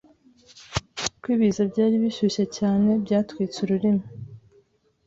Kwibiza byari bishyushye cyane, byatwitse ururimi.